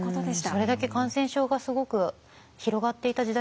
それだけ感染症がすごく広がっていた時代だったんですね。